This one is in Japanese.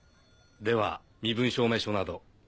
では身分証明書など。